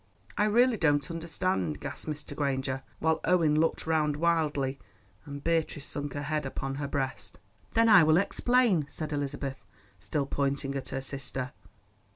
_" "I really don't understand," gasped Mr. Granger, while Owen looked round wildly, and Beatrice sunk her head upon her breast. "Then I will explain," said Elizabeth, still pointing at her sister.